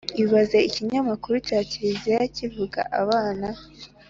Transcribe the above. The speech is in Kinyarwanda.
ibaze ikinyamakuru cya kiliziya kivuga abana